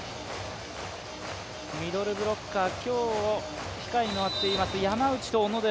ミドルブロッカー、今日、控えに回っています山内と小野寺。